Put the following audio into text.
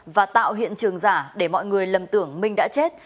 và tạo hiện trường giả để mọi người lầm tưởng minh đã chết